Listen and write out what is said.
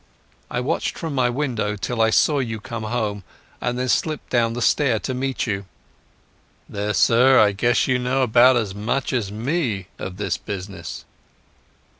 I watched from my window till I saw you come home, and then slipped down the stair to meet you.... There, sir, I guess you know about as much as me of this business."